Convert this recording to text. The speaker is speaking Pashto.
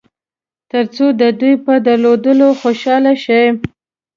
تر څو د دوی په درلودلو خوشاله شئ.